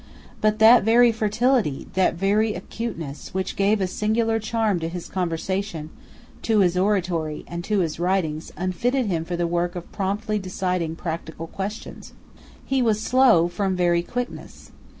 But that very fertility, that very acuteness, which gave a singular charm to his conversation, to his oratory and to his writings, unfitted him for the work of promptly deciding practical questions. He was slow from very quickness.